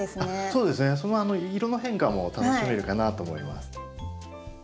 そうですね色の変化も楽しめるかなと思います。